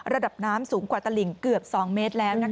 ระดับน้ำสูงกว่าตลิงเกือบ๒เมตรแล้ว